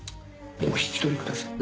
お引き取りください。